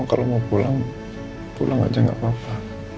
kalau mau pulang pulang aja nggak apa apa